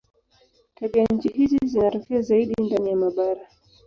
Tabianchi hizi zinatokea zaidi ndani ya mabara.